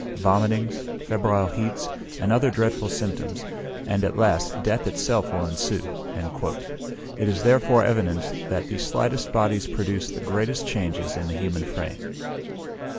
vomitings, febrile heats, and other dreadful symptoms; and, at last, death itself will ensue." It is therefore evident that the slightest bodies produce the greatest changes in the human frame.